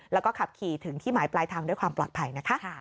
แล้วก็ขับขี่ถึงที่หมายปลายทางด้วยความปลอดภัยนะคะ